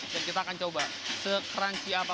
dan kita akan coba sekranji apa